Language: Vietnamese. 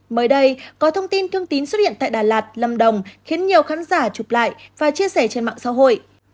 mới đây có thông tin thương tín xuất hiện tại đà lạt lâm đồng khiến nhiều khán giả chụp lại và chia sẻ trên mạng xã hội